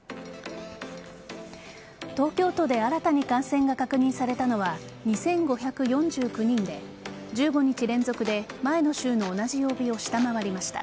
東京都で新たに感染が確認されたのは２５４９人で１５日連続で前の週の同じ曜日を下回りました。